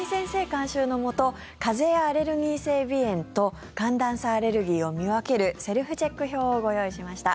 監修のもと風邪やアレルギー性鼻炎と寒暖差アレルギーを見分けるセルフチェック表をご用意しました。